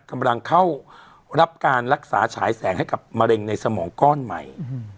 กำลังเข้ารับการรักษาฉายแสงให้กับมะเร็งในสมองก้อนใหม่